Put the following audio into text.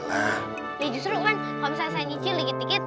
ya justru kan kalau misalnya saya nyicil dikit dikit